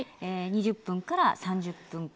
２０分から３０分間。